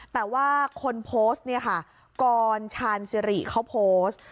แต่ว่าคนโพสต์เนี่ยค่ะกรชาญสิริเขาโพสต์